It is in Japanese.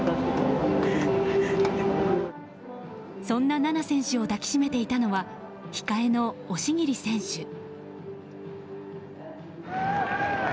そんな菜那選手を抱きしめていたのは控えの押切選手。